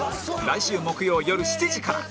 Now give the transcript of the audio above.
来週木曜よる７時から